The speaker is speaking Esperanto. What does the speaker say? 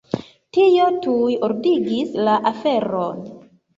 Tio tuj ordigis la aferon.